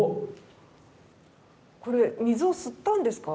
これ水を吸ったんですか？